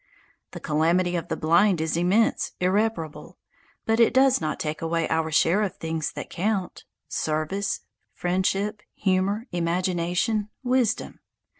The calamity of the blind is immense, irreparable. But it does not take away our share of the things that count service, friendship, humour, imagination, wisdom.